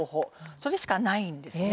それしかないんです。